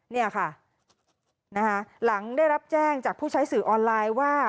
เนี่ยค่ะหลังได้รับแจ้งจากผู้ใช้สื่อออนไลน์ว่า